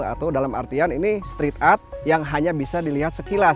atau dalam artian ini street art yang hanya bisa dilihat sekilas